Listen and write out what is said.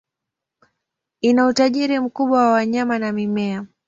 Ina utajiri mkubwa wa wanyama na mimea.